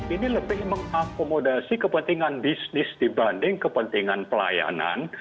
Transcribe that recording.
ini lebih mengakomodasi kepentingan bisnis dibanding kepentingan pelayanan